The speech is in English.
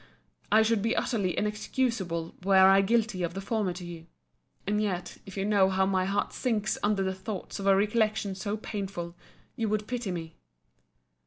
I should be utterly inexcusable were I guilty of the former to you. And yet, if you know how my heart sinks under the thoughts of a recollection so painful, you would pity me.